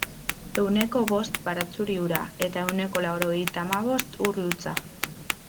Ehuneko bost baratxuri ura eta ehuneko laurogeita hamabost ur hutsa.